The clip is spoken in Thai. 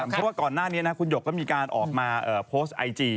เพราะว่าก่อนหน้านี้นะคุณหยกก็มีการออกมาโพสต์ไอจี